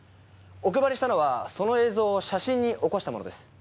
お配りしたのはその映像を写真に起こしたものです。